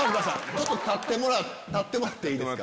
ちょっと立ってもらっていいですか。